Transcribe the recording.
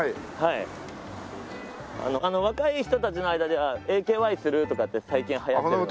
若い人たちの間では「ＡＫＹする？」とかって最近流行ってるので。